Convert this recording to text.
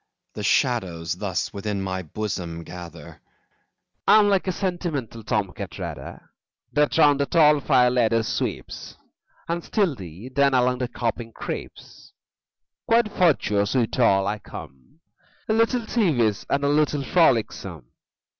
The shadows thus within my bosom gather. MEPHISTOPHELES I'm like a sentimental tom cat, rather, That round the tall fire ladders sweeps, And stealthy, then, along the coping creeps: Quite virtuous, withal, I come, A little thievish and a little frolicsome.